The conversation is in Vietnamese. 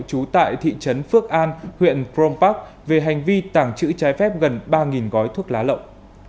trú tại thị trấn phước an huyện crompac về hành vi tảng chữ trái phép gần ba gói thuốc lá lộng